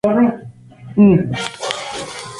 Tipos de microorganismos y su toxicidad.